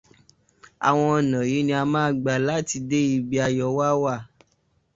Àwọn ọ̀nà yìí ni a ma gbà láti dé ibi ayọ̀ wá wà.